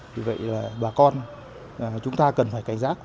vì vậy bà con chúng ta cần phải cảnh giác